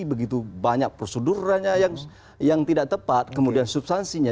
begitu banyak prosedurnya yang tidak tepat kemudian substansinya